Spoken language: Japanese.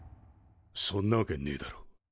そんなわけねえだろ。